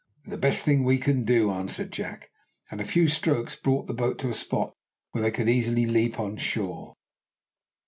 "The best thing we can do," answered Jack, and a few strokes brought the boat to a spot where they could easily leap on shore.